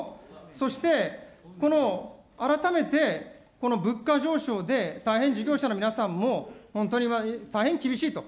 そして、この改めて、この物価上昇で大変事業者の皆さんも本当に大変、厳しいと。